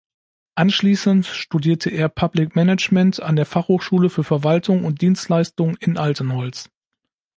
Anschließend studierte er Public Management an der Fachhochschule für Verwaltung und Dienstleistung in Altenholz.